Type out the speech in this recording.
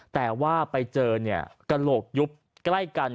แต่ว่าไปเจอเนี่ยกระโหลกยุบใกล้กัน